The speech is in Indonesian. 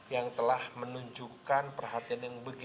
yang telah menunjukkan perhatian yang begitu besar kerja cepat dan juga efektif